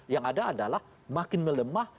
yang ada adalah makin melemah